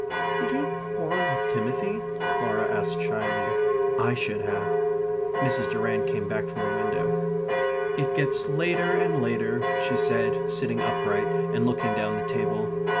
"Did you quarrel with Timothy?" Clara asked shyly. "I should have." Mrs. Durrant came back from the window. "It gets later and later," she said, sitting upright, and looking down the table.